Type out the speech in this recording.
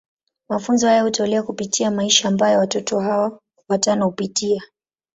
Mafunzo haya hutolewa kupitia maisha ambayo watoto hawa watano hupitia.